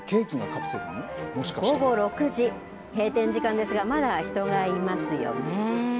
午後６時閉店時間ですがまだ人がいますよね。